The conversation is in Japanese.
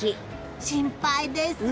心配です。